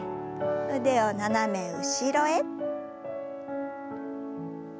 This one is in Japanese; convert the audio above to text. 腕を斜め後ろへ。